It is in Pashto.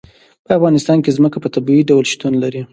په افغانستان کې ځمکه په طبیعي ډول شتون لري.